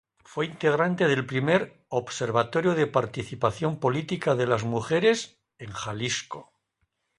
Fue integrante del primer "Observatorio de Participación Política de las mujeres" en Jalisco.